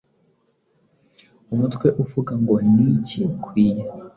umutwe uvuga ngo niki ukwiye